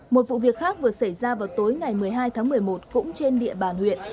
một vụ việc khác vừa xảy ra vào tối ngày một mươi hai tháng một mươi một cũng trên địa bàn huyện